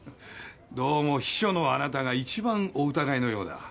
どうも秘書のあなたが一番お疑いのようだ。